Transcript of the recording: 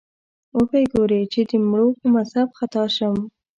وبه یې ګورې چې د مړو په مذهب خطا شم